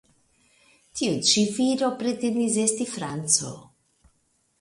Tiu ĉi viro pretendis esti franco.